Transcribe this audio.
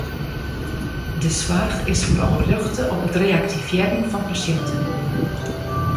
De soarch is foaral rjochte op it reaktivearjen fan pasjinten.